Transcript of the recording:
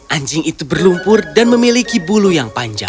anjing itu berlumpur dan memiliki bulu yang panjang